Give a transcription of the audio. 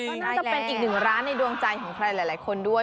ก็น่าจะเป็นอีกหนึ่งร้านในดวงใจของใครหลายคนด้วย